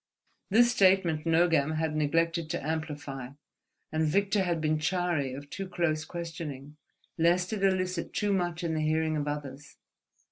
This statement Nogam had neglected to amplify, and Victor had been chary of too close questioning, lest it elicit too much in the hearing of others.